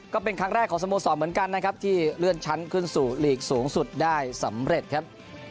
ก็เป็นครั้งแรกของสโมสรเหมือนกันนะครับที่เลื่อนชั้นขึ้นสู่ลีกสูงสุดได้สำเร็จครับ